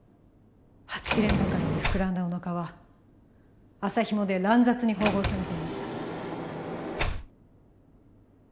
はちきれんばかりに膨らんだおなかは麻ひもで乱雑に縫合されていました。